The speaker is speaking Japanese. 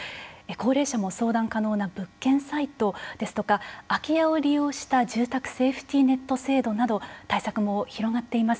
高齢者も相談可能な物件サイトですとか空き屋を利用した住宅セーフティネット制度など対策も広がっています。